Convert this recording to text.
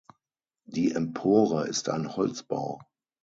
Die Empore ist ein Holzbau.